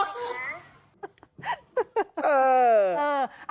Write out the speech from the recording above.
เออ